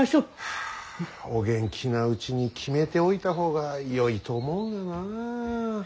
はあお元気なうちに決めておいた方がよいと思うがなあ。